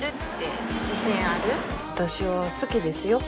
私は好きですよ。